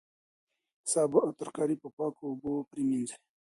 سابه او ترکاري په پاکو اوبو پریمنځئ.